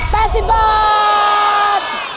๘๐บาท